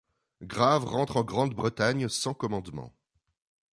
Graves rentre en Grande-Bretagne sans commandement.